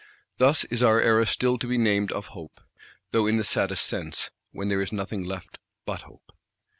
Thus is our Era still to be named of Hope, though in the saddest sense,—when there is nothing left but Hope.